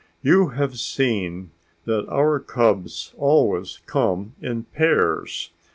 "You have seen that our cubs always come in pairs.